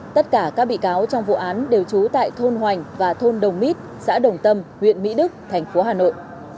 tất cả các bị cáo trong vụ án đều trú tại thôn hoành và thôn đồng mít xã đồng tâm huyện mỹ đức thành phố hà nội